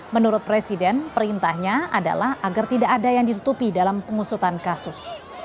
menurut presiden perintahnya adalah agar tidak ada yang ditutupi dalam pengusutan kasus